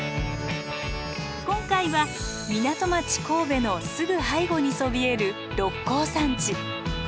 今回は港町神戸のすぐ背後にそびえる六甲山地。